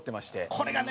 これがね